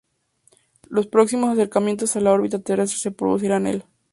Los próximos acercamientos a la órbita terrestre se producirán el.